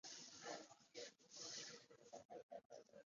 领章军衔佩戴于作训服。